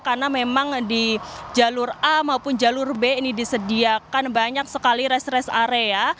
karena memang di jalur a maupun jalur b ini disediakan banyak sekali rest rest area